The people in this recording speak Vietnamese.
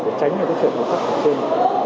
để tránh những chuyện lúc khách ở trên